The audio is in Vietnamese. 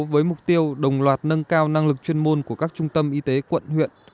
với mục tiêu đồng loạt nâng cao năng lực chuyên môn của các trung tâm y tế quận huyện